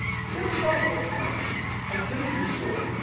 ] "Ye're fou, Brockburn, I tellt ye so.